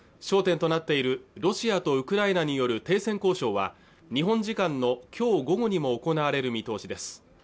焦点となっているロシアとウクライナによる停戦交渉は日本時間のきょう午後にも行われる見通しです